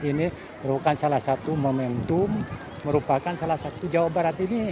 ini merupakan salah satu momentum merupakan salah satu jawa barat ini